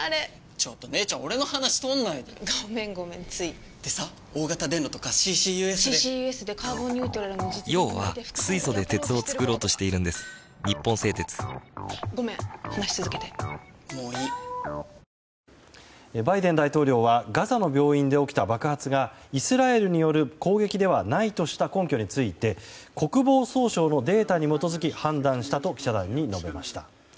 ちょっと姉ちゃんレの話とんないでよごめんごめんついさ大型電炉とかＣＣＵＳで達達妝でカーボンニュートラルの実現にめん話つづけてもういいバイデン大統領はガザの病院で起きた爆発がイスラエルによる攻撃ではないとした根拠について国防総省のデータに基づき判断したと記者団に述べました。